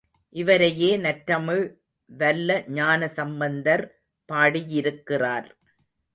இவரையே நற்றமிழ் வல்ல ஞான சம்பந்தர் பாடியிருக்கிறார்.